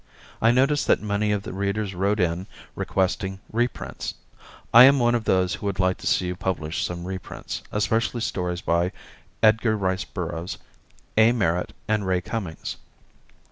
I noticed that many of the readers wrote in, requesting reprints. I am one of those who would like to see you publish some reprints, especially stories by Edgar Rice Burroughs, A. Merritt and Ray Cummings.